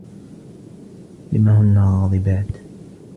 لم هنّ غاضبات؟